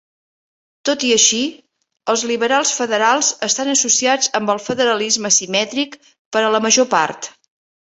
Tot i així, els liberals federals estan associats amb el federalisme simètric per a la major part.